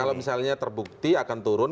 kalau misalnya terbukti akan turun